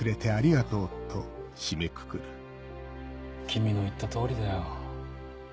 君の言った通りだよ。